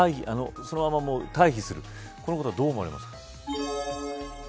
そのまま退避する、そのことをどう思われますか。